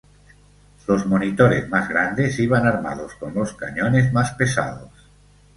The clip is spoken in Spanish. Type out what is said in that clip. Los monitores más grandes iban armados con los cañones más pesados.